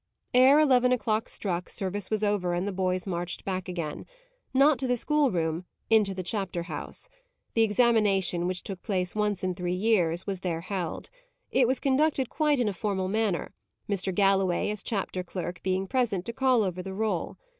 Ere eleven o'clock struck, service was over, and the boys marched back again. Not to the schoolroom into the chapter house. The examination, which took place once in three years, was there held. It was conducted quite in a formal manner; Mr. Galloway, as chapter clerk, being present, to call over the roll.